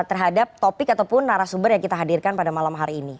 terhadap topik ataupun narasumber yang kita hadirkan pada malam hari ini